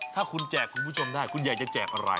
ถ้าคุณแจกคุณผู้ชมได้คุณอยากจะแจกอะไร